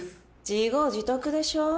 自業自得でしょ。